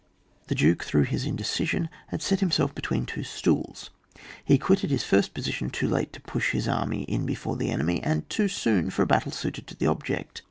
The Duke, through his indecision, had set himself between two stools; he quitted his first position too late to push his army in before the enemy, and too soon for a battle suited to the object.